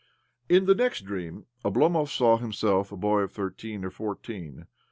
In the next dream Oblomov saw himself a boy of thirteen or fourteen.